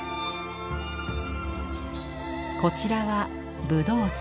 こちらは葡萄図。